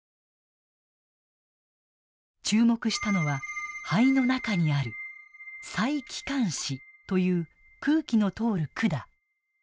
注目したのは肺の中にある細気管支という空気を通る管。